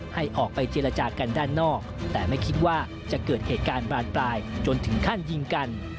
ให้ออกไปเจรจากันด้านนอกแต่ไม่คิดว่าจะเกิดเหตุการณ์บานปลายจนถึงขั้นยิงกัน